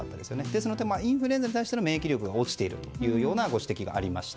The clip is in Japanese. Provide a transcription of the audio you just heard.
その点でインフルエンザの免疫力が落ちているというご指摘がありました。